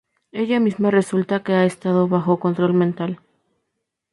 Ella misma resulta que ha estado bajo control mental.